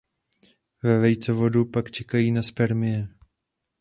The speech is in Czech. Ve vejcovodu pak čekají na spermie.